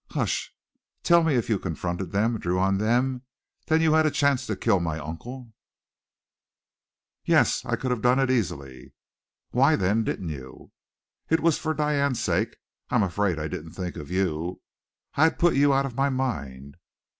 "Hush Tell me, if you confronted them, drew on them, then you had a chance to kill my uncle?" "Yes. I could have done it easily." "Why, then, didn't you?" "It was for Diane's sake. I'm afraid I didn't think of you. I had put you out of my mind."